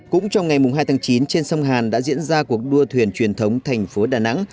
cũng trong ngày hai tháng chín trên sông hàn đã diễn ra cuộc đua thuyền truyền thống thành phố đà nẵng